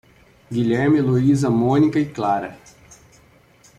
Guilherme, Eloísa, Mônica e Clara